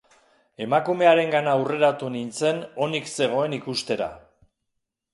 Emakumearengana hurreratu nintzen onik zegoen ikustera.